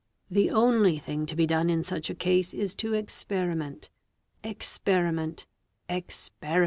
The only thing to be done in such a case is to experiment, experiment, experiment